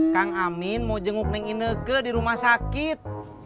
kang amin mau jenguk neng ineke di rumah sakit